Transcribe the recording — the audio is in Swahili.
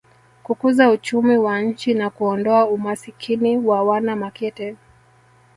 kukuza uchumi wa nchi na kuondoa umasikini wa wana Makete